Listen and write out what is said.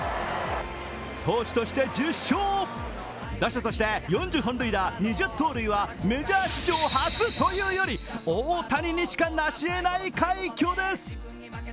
投手として１０勝、打者として４０本塁打・２０盗塁はメジャー史上初というより大谷にしかなしえない快挙です。